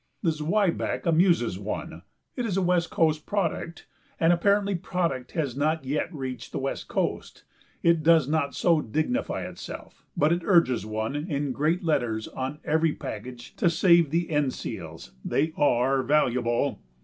The zwieback amuses one; it is a West coast "product," and apparently "product" has not yet reached the West coast it does not so dignify itself. But it urges one, in great letters on every package, to "save the end seals; they are valuable!"